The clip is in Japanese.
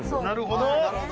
「なるほど。